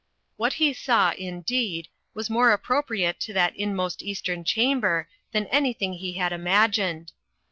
What he saw, indeed, was more appropriate to that inmost eastern chamber than anything he had imag ined.